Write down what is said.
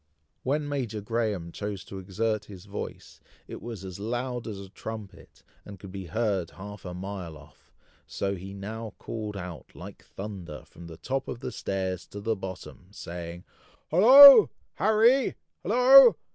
When Major Graham chose to exert his voice, it was as loud as a trumpet, and could be heard half a mile off; so he now called out, like thunder, from the top of the stairs to the bottom, saying, "Hollo, Harry! hollo!